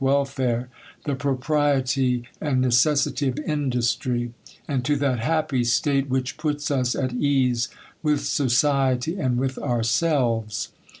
welfare, the propriety and ne cessity of industry ^., and to that happy state which puts us at ease with society and with ourselves.